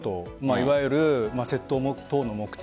いわゆる窃盗目的。